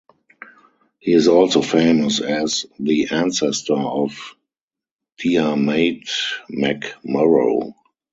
He is also famous as the ancestor of Diarmait MacMurrough.